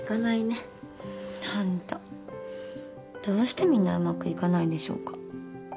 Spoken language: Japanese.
どうしてみんなうまくいかないんでしょうか？